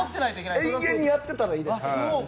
延々やってたらいいです。